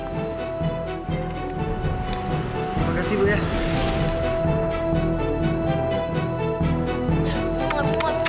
terima kasih bu ya